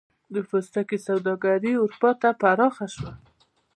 د پوستکي سوداګري اروپا ته پراخه شوه.